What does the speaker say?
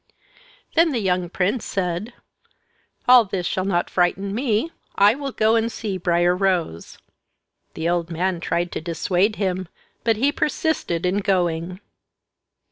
Then the young prince said, "All this shall not frighten me; I will go and see Briar Rose." The old man tried to dissuade him, but he persisted in going.